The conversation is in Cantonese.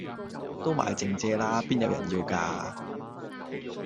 都賣剩蔗啦！邊有人要架